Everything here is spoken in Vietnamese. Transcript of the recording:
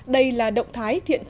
đây là động thái thiết kế của hàn quốc